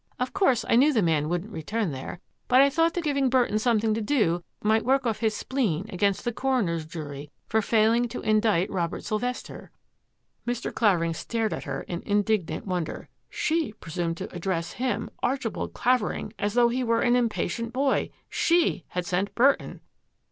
Of course, I knew the man wouldn't return there, but I thought that giving Burton something to do might work off his spleen against the coroner's jury for failing to indict Robert Sylvester." Mr. Clavering stared at her in indignant won der. She presumed to address him, Archibald Claver ing, as though he were an impatient boy! She had sent Burton!